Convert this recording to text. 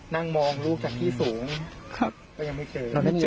นั่งมองลูกจากที่สูงก็ยังไม่เจอ